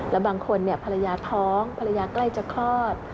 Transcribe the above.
และบางคนภรรยาท้องภรรยาใกล้จะคลอด